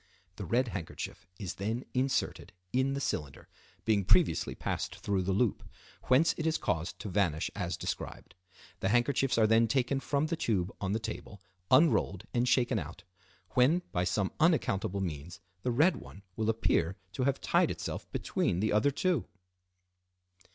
The red handkerchief is then inserted in the cylinder, being previously passed through the loop, whence it is caused to vanish as described. The handkerchiefs are then taken from the tube on the table, unrolled and shaken out; when, by some unaccountable means, the red one will appear to have tied itself between the other two.